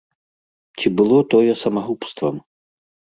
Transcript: Ці было тое самагубствам?